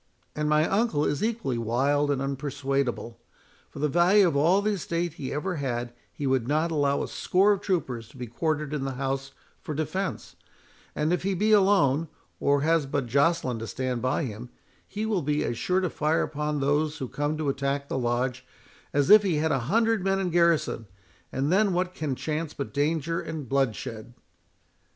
And my uncle is equally wild and unpersuadable. For the value of all the estate he ever had, he would not allow a score of troopers to be quartered in the house for defence; and if he be alone, or has but Joceline to stand by him, he will be as sure to fire upon those who come to attack the Lodge, as if he had a hundred men in garrison; and then what can chance but danger and bloodshed?"